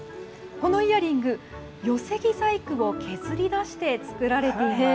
このイヤリング、寄せ木細工を削り出して作られています。